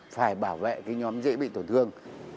phải bảo vệ cái nhóm dễ bị tổn thương